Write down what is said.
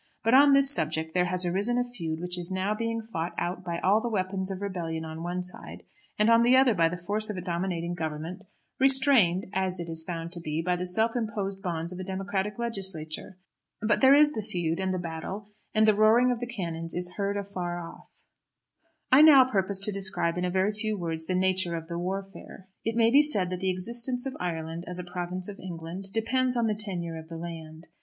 But on this subject there has arisen a feud which is now being fought out by all the weapons of rebellion on one side, and on the other by the force of a dominating Government, restrained, as it is found to be, by the self imposed bonds of a democratic legislature. But there is the feud, and the battle, and the roaring of the cannons is heard afar off. I now purpose to describe in a very few words the nature of the warfare. It may be said that the existence of Ireland as a province of England depends on the tenure of the land.